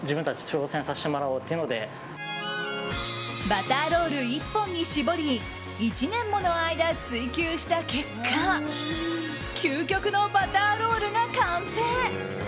バターロール１本に絞り１年もの間、追求した結果究極のバターロールが完成。